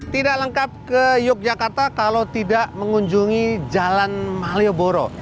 tidak lengkap ke yogyakarta kalau tidak mengunjungi jalan malioboro